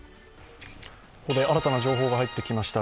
ここで新たな情報が入ってきました。